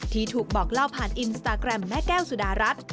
ที่ถูกบอกเล่าผ่านอินสตาแกรมแม่แก้วสุดารัฐ